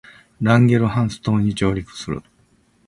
ランゲルハンス島に上陸する